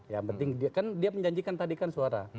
yang penting dia kan dia menjanjikan tadi kan suara